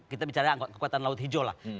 kita bicara kekuatan laut hijau lah